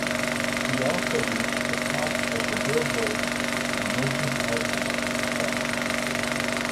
He also reached the top of the "Billboard" Emerging Artists chart.